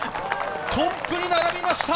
トップに並びました！